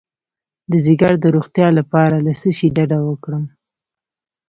د ځیګر د روغتیا لپاره له څه شي ډډه وکړم؟